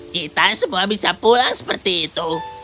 kita semua bisa pulang seperti itu